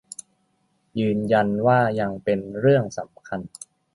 ยืนยันว่ายังเป็นเรื่องสำคัญ